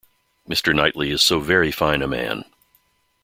Mr Knightley is so very fine a man!